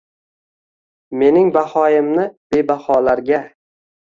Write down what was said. Mening bahoyimni “bebaholar” ga